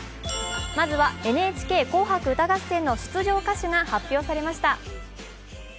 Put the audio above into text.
まずはＮＨＫ「紅白歌合戦」の出場歌手が発表されました。